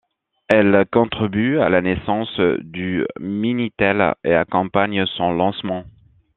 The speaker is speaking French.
Elle contribue à la naissance du Minitel et accompagne son lancement.